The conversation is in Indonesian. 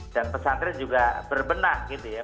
dan pesantren ini juga berbenah gitu ya